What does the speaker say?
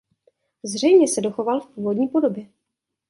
Zřejmě se dochoval v původní podobě.